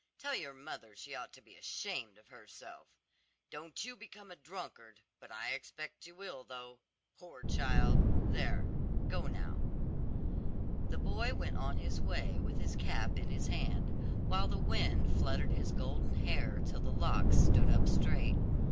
Tell your mother she ought to be ashamed of herself. Don't you become a drunkard, but I expect you will though. Poor child! there, go now." The boy went on his way with his cap in his hand, while the wind fluttered his golden hair till the locks stood up straight.